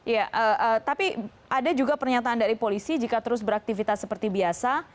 ya tapi ada juga pernyataan dari polisi jika terus beraktivitas seperti biasa